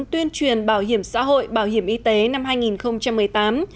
tuyên truyền bảo hiểm xã hội bảo hiểm y tế năm hai nghìn một mươi tám